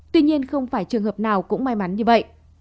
tuy nhiên không phải trường hợp nào cũng may mắn như vậy